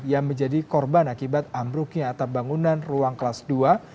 yang menjadi korban akibat ambruknya atap bangunan ruang kelas dua